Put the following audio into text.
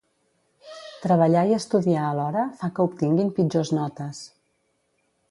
Treballar i estudiar alhora fa que obtinguin pitjors notes.